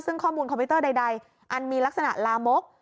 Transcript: ซึ่งข้อมูลคอมพิวเตอร์ใดอันมีลักษณะลามก